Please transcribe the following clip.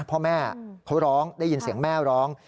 พ่อแม่เขาร้องได้ยินเสียงแม่ร้อง